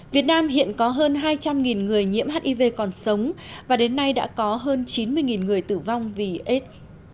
việt nam hiện có hơn hai trăm linh người nhiễm hiv còn sống và đến nay đã có hơn chín mươi người tử vong vì aids